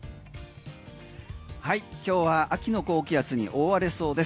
今日は秋の高気圧に覆われそうです。